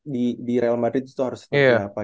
di real madrid itu harus seperti apa